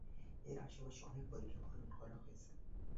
এর আশে পাশে অনেক পরিখা খনন করা হয়েছে।